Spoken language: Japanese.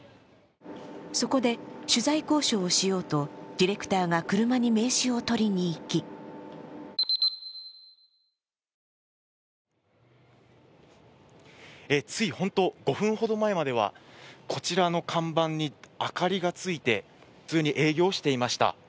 そこで取材交渉をしようとディレクターが車に名刺を取りにいきつい本当５分ほど前までは、こちらの看板に明かりがついて、普通に営業していました。